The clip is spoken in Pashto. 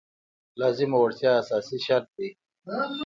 لازمه وړتیا اساسي شرط دی.